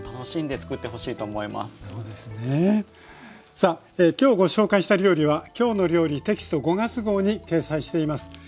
さあ今日ご紹介した料理は「きょうの料理」テキスト５月号に掲載しています。